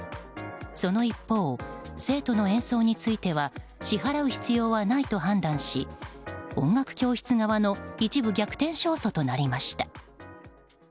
その一方、生徒の演奏については支払う必要はないと判断し音楽教室側の一部逆転勝訴となりました。